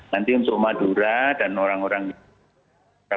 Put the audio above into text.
nanti untuk madura dan orang orang di madura